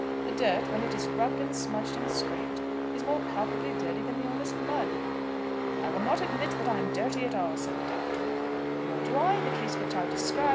The dirt, when it is rubbed and smudged and scraped is more palpably dirt than the honest mud." "I will not admit that I am dirty at all," said the Doctor. "Nor do I, in the case which I describe.